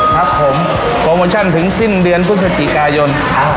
ครับผมโปรโมชั่นถึงสิ้นเดือนพฤศจิกายน